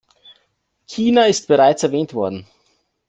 China ist bereits erwähnt worden.